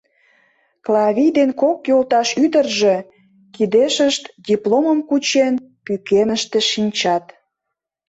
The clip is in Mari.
Клавий ден кок йолташ ӱдыржӧ, кидешышт дипломым кучен, пӱкеныште шинчат.